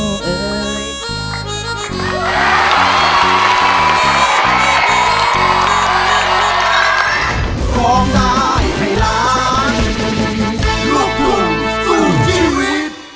โอ๊ดเขาก็ตายขาดเจ้าฮันล่า